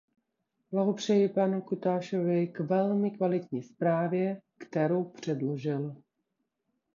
Blahopřeji panu Cutaşovi k velmi kvalitní zprávě, kterou předložil.